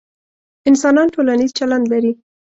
انسانان ټولنیز چلند لري،